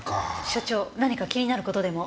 所長何か気になる事でも？